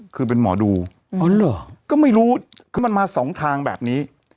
คือเป็นหมอดูก็ไม่รู้มันมาสองทางแบบนี้